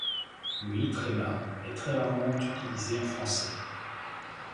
Le Ÿ est très rarement utilisé en français.